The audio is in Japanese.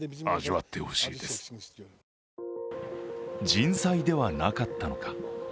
人災ではなかったのか。